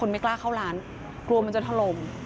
ไม่กล้าเข้าร้านกลัวมันจะถล่ม